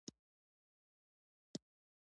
واوره د افغانستان د طبیعت د ښکلا یوه برخه ده.